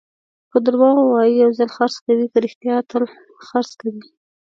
که دروغ ووایې، یو ځل خرڅ کوې؛ که رښتیا، تل خرڅ کوې.